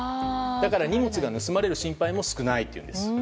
だから荷物が盗まれる心配も少ないんです。